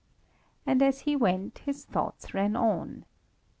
And as he went, his thoughts ran on.